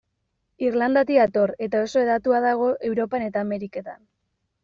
Irlandatik dator, eta oso hedatua dago Europan eta Ameriketan.